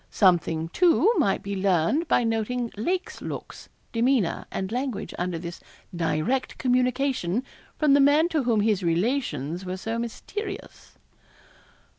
Something, too, might be learned by noting Lake's looks, demeanour, and language under this direct communication from the man to whom his relations were so mysterious.